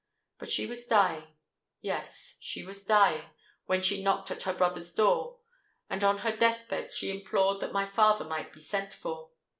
But she was dying—yes, she was dying, when she knocked at her brother's door; and on her death bed she implored that my father might be sent for.